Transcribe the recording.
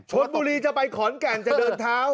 ชนบุรีจะไปขอนแก่นจะเดินเท้า